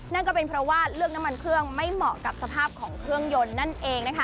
นั่นก็เป็นเพราะว่าเลือกน้ำมันเครื่องไม่เหมาะกับสภาพของเครื่องยนต์นั่นเองนะคะ